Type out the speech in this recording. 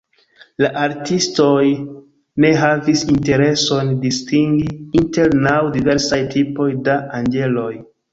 La artistoj ne havis intereson distingi inter naŭ diversaj tipoj da anĝeloj.